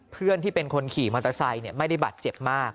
เพื่อนที่เป็นคนขี่มอเตอร์ไซค์ไม่ได้บาดเจ็บมาก